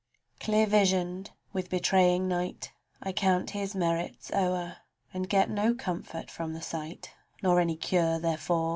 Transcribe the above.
Clear visioned with betraying night, I count his merits o'er, And get no comfort from the sight, Nor any cure therefor.